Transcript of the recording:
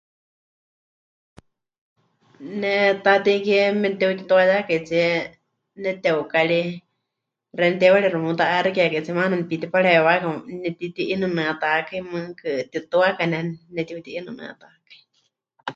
Ne Taatei Kie memɨte'utituayákaitsie neteukari, xeeníu teiwarixi memuta'áxikekaitsie maana nepitipareewíwakai, nepɨtiuti'inɨnɨatákai, mɨɨkɨ mɨtituaka ne nepɨtiuti'inɨnɨatákai.